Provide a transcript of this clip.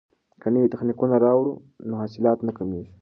که نوي تخنیکونه راوړو نو حاصلات نه کمیږي.